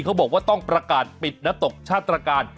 เขาบอกว่าต้องประกาศปิดนัดตกชัดระการ